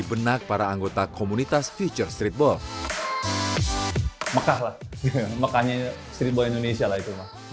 mekahnya streetball indonesia lah itu mas